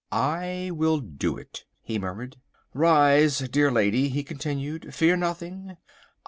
"I will do it," he murmured. "Rise dear lady," he continued. "Fear nothing.